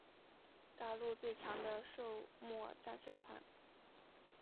大陆最强的狩魔战士团。